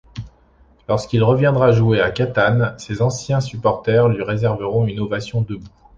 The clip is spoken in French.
Lorsqu'il reviendra jouer à Catane ses anciens supporters lui réserveront une ovation debout.